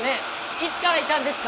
いつからいたんですか？